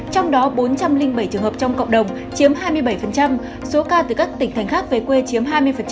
trong đó bốn trăm linh bảy trường hợp trong cộng đồng chiếm hai mươi bảy số ca từ các tỉnh thành khác về quê chiếm hai mươi